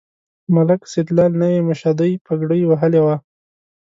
ملک سیدلال نوې مشدۍ پګړۍ وهلې وه.